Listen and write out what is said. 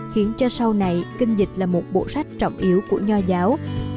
khiến cho sau này kinh dịch là một bộ sách trọng yếu của nho giáo